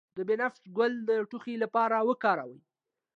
د بنفشه ګل د ټوخي لپاره وکاروئ